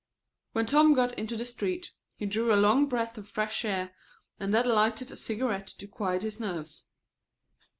When Tom got into the street he drew a long breath of fresh air, and then lighted a cigarette to quiet his nerves.